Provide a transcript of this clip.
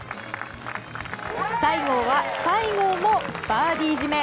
西郷は最後もバーディー締め！